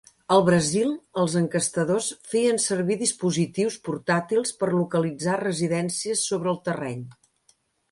Al Brasil, els enquestadors feien servir dispositius portàtils per localitzar residències sobre el terreny.